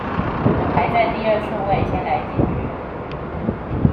排在第二順位先來解決